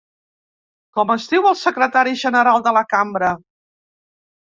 Com es diu el secretari general de la cambra?